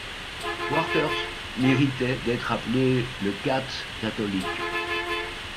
Poirters méritait d'être appelé le Cats catholique.